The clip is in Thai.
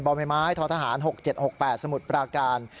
ไม้ไม้ท้อทหาร๖๗๖๘สมุทรปราการ